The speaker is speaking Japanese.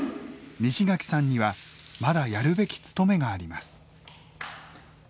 西垣さんにはまだやるべき勤めがあります。